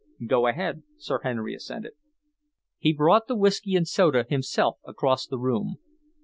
"Go ahead," Sir Henry assented. He brought the whisky and soda himself across the room.